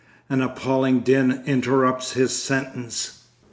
An appalling din interrupts his sentence.